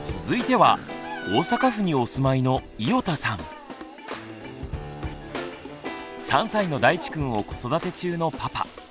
続いては大阪府にお住まいの３歳のだいちくんを子育て中のパパ。